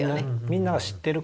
みんなが知ってるから。